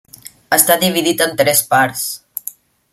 Està dividit en tres parts.